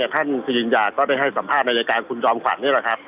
ท่านสิริญญาก็ได้ให้สัมภาษณ์ในรายการคุณจอมขวัญนี่แหละครับ